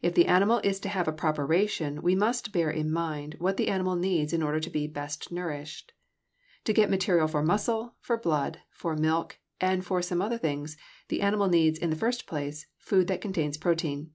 If the animal is to have a proper ration, we must bear in mind what the animal needs in order to be best nourished. To get material for muscle, for blood, for milk, and for some other things, the animal needs, in the first place, food that contains protein.